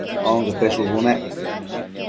onquete shubu nec